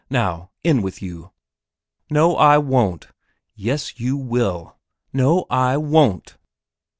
Now, in with you." "No, I won't." "Yes, you will." "No, I won't."